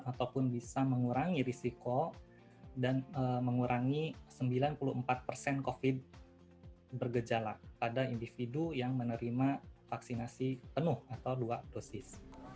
ataupun bisa mengurangi risiko dan mengurangi sembilan puluh empat persen covid bergejala pada individu yang menerima vaksinasi penuh atau dua dosis